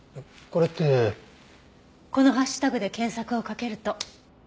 このハッシュタグで検索をかけると。